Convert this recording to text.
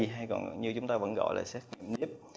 hay còn như chúng ta vẫn gọi là xét nghiệm nipt